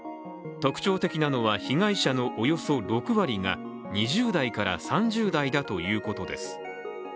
特徴的なのは被害者のおよそ６割が２０代から３０代だということです。